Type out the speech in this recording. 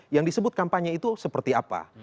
yang disebut kampanye itu seperti apa